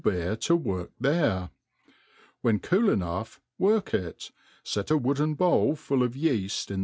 beer to work there. When cool enough work it^ fet a woodenr bowl fttU t>f y«tft lA.